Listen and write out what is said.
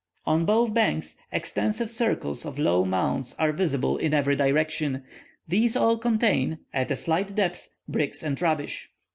On both banks, extensive circles of low mounds are visible in every direction; these all contain, at a slight depth, bricks and rubbish.